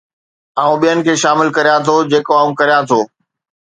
آئون ٻين کي شامل ڪريان ٿو جيڪو آئون ڪريان ٿو